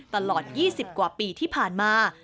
ตลอด๒๐กว่าปีที่ผ่านมา